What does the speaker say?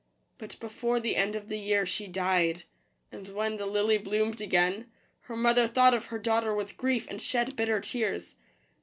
But before the end of the year she died ; and when the lily bloomed again, her mother thought of her daughter with grief, and shed bitter tears.